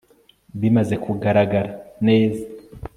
Bimaze kugaragara neza